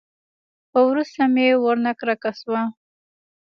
خو وروسته مې ورنه کرکه وسوه.